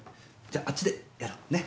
じゃあっちでやろう。ね？